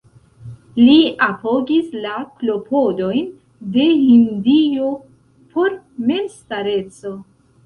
Li apogis la klopodojn de Hindio por memstareco.